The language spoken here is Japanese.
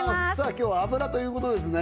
今日は油ということですね